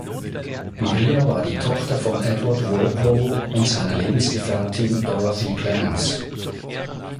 Maria war die Tochter von Edward Walpole und seiner Lebensgefährtin Dorothy Clements.